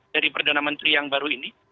dari perdana menteri yang baru ini